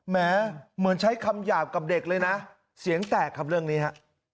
แม้เหมือนใช้คำหยาบกับเด็กเลยนะเสียงแตกครับเรื่องนี้ฮะ